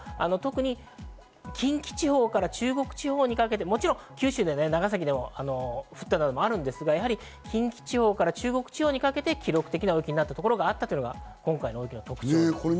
これは特に近畿地方から中国地方にかけて、もちろん九州・長崎でも降ったのもあるんですが、近畿地方から中国地方にかけて記録的な大雪になったところがあったのが今回の大きな特徴です。